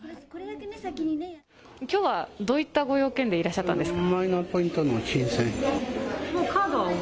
きょうはどういったご用件でいらっしゃったんですか。